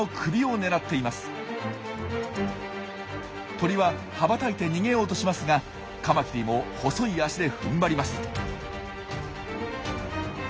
鳥は羽ばたいて逃げようとしますがカマキリも細い脚でふんばります。